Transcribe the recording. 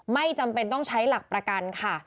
ไม่จำเป็นต้องใช้หลักประกันค่ะ